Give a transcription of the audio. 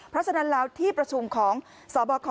เพราะฉะนั้นแล้วที่ประชุมของสบค